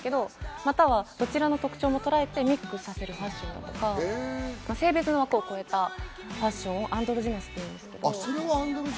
またはどちらの特徴もとらえてミックスさせるファッションとか性別の枠を越えたファッションをアンドロジナスといいます。